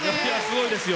すごいですよ。